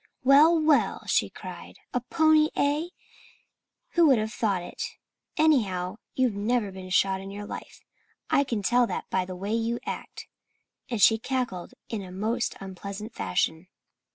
"Well, well!" she cried. "A pony, eh? Who'd have thought it? Anyhow, you've never been shod in your life. I can tell that by the way you act." And she cackled in a most unpleasant fashion.